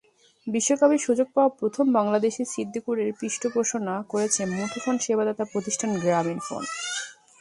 বিশ্বকাপে সুযোগ পাওয়া প্রথম বাংলাদেশি সিদ্দিকুরকে পৃষ্ঠপোষণা করছে মুঠোফোন সেবাদাতা প্রতিষ্ঠান গ্রামীণফোন।